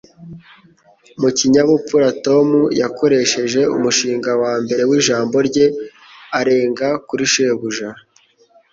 Mu kinyabupfura, Tom yakoresheje umushinga wa mbere w'ijambo rye arenga kuri shebuja.